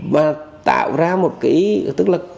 và tạo ra một cái tức là